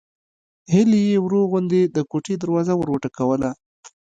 هيلې يې ورو غوندې د کوټې دروازه وروټکوله